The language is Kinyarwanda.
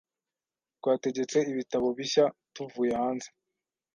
Twategetse ibitabo bishya tuvuye hanze.